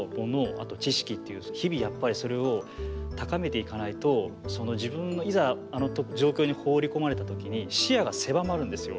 あと知識っていう日々やっぱりそれを高めていかないと自分いざあの状況に放り込まれた時に視野が狭まるんですよ。